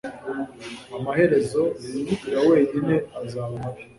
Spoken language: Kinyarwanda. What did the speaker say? Amaherezo ya wenyine azaba mabi